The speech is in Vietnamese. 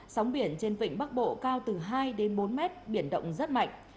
sóng biển trên vịnh bắc bộ cao từ hai đến bốn mét biển động rất mạnh